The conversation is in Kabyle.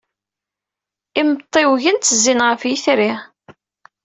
Imtiwgen ttezzin ɣef yitri.